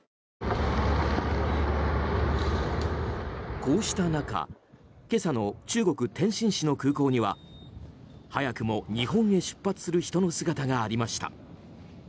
こうした中今朝の中国・天津市の空港には早くも日本へ出発する人の姿がありました。